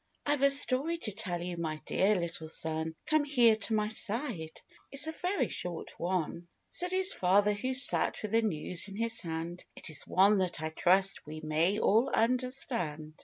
" I've a story to tell you, my dear little son ; Come here to my side — it's a very short one," Said his Eather, who sat with the news in his hand; " It is one that I trust we may all understand.